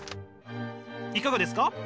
いかがですか？